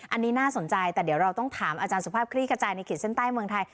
อันนี้น่าสนใจแต่เดี๋ยวเราต้องถามอาจารย์สุภาพคลี่ขจายในขีดเส้นใต้เมืองไทย